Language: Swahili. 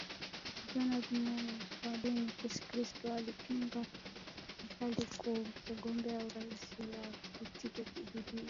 jonathan muumini wa dini ya kikristo alipingwa vikali kugombea urais kwa tiketi ya pdb